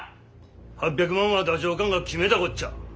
８００万は太政官が決めたこっじゃ！